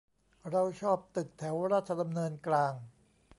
เราชอบตึกแถวราชดำเนินกลาง